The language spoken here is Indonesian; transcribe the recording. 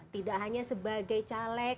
tidak hanya sebagai caleg